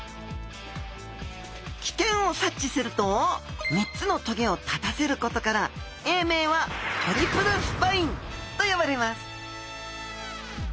危険を察知すると３つのトゲを立たせることから英名はトリプルスパインと呼ばれます